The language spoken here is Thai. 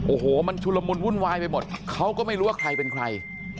โอ้โหมันชุลมุนวุ่นวายไปหมดเขาก็ไม่รู้ว่าใครเป็นใคร